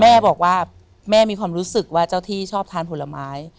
แม่บอกว่าแม่มีความรู้สึกว่าเจ้าที่ชอบทานผลไม้